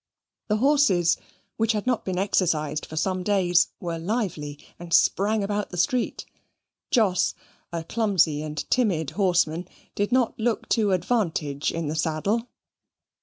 The horses, which had not been exercised for some days, were lively, and sprang about the street. Jos, a clumsy and timid horseman, did not look to advantage in the saddle.